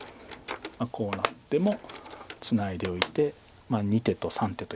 こうなってもツナいでおいて２手と３手ということです。